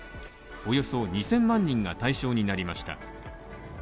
およそ２０００万人が対象になりました。